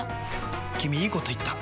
君いいこと言った！